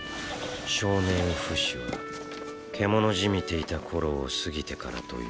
少年フシは獣じみていた頃を過ぎてからというもの